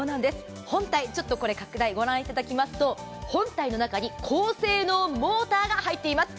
本体の拡大を御覧いただきますと、本体の中に高性能モーターが入っています。